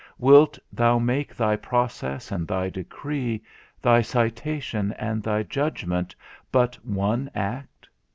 Wilt thou make thy process and thy decree, thy citation and thy judgment, but one act?